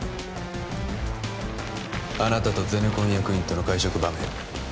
あなたとゼネコン役員との会食場面